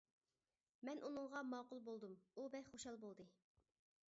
مەن ئۇنىڭغا ماقۇل بولدۇم، ئۇ بەك خۇشال بولدى.